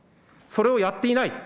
それをやっていない。